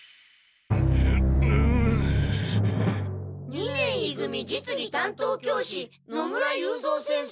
二年い組実技担当教師野村雄三先生。